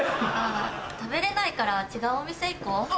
食べれないから違うお店行こう。